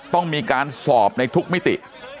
ต้องมีการสอบในทุกมิติ